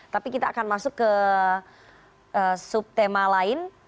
tapi kita akan masuk ke subtema lain